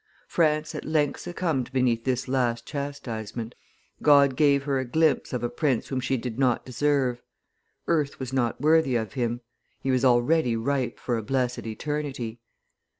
France at length succumbed beneath this last chastisement; God gave her a glimpse of a prince whom she did not deserve. Earth was not worthy of him; he was already ripe for a blessed eternity!"